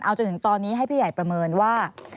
เอาจนถึงตอนนี้ให้พี่ใหญ่ประเมินว่า